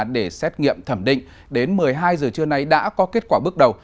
để xét nghiệm thẩm định đến một mươi hai giờ trưa nay đã có kết quả bước đầu